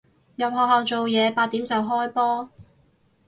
入學校做嘢，八點就開波